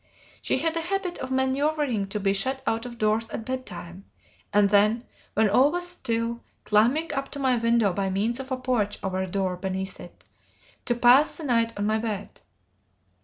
She had a habit of manoeuvring to be shut out of doors at bed time, and then, when all was still, climbing up to my window by means of a porch over a door beneath it, to pass the night on my bed.